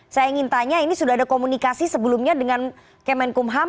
saya ingin tanya ini sudah ada komunikasi sebelumnya dengan kemenkumham